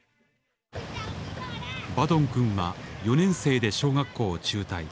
バドンくんは４年生で小学校を中退。